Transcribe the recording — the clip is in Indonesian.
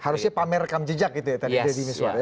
harusnya pamer rekam jejak gitu ya tadi deddy miswar ya